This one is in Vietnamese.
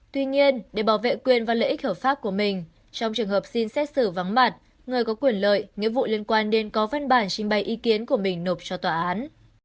tuy nhiên để bảo vệ quyền và lợi ích hợp pháp của mình trong trường hợp xin xét xử vắng mặt người có quyền lợi nghĩa vụ liên quan đến có văn bản trình bày ý kiến của mình nộp cho tòa án